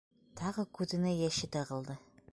Тағы күҙенә йәше тығылды.